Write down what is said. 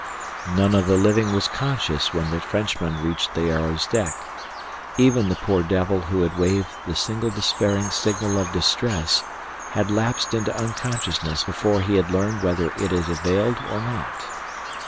None of the living was conscious when the Frenchmen reached the Arrow's deck. Even the poor devil who had waved the single despairing signal of distress had lapsed into unconsciousness before he had learned whether it had availed or not.